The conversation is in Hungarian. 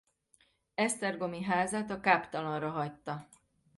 Esztergomi házát a káptalanra hagyta.